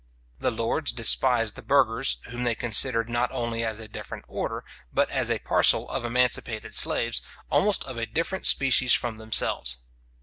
The lords despised the burghers, whom they considered not only as a different order, but as a parcel of emancipated slaves, almost of a different species from themselves.